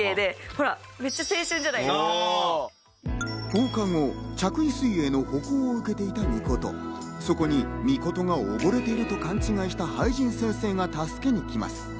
放課後、着衣水泳の補講を受けていた扇言、そこに扇言が溺れていると勘違いした灰仁先生が助けにきます。